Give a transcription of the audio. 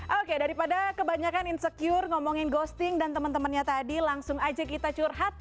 oke daripada kebanyakan insecure ngomongin ghosting dan teman temannya tadi langsung aja kita curhat